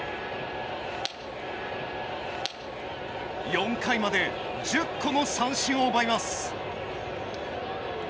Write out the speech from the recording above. ４回まで１０個の三振を奪います。